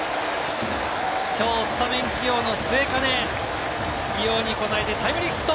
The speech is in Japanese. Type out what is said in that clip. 今日スタメン起用の末包、起用に応えて、タイムリーヒット。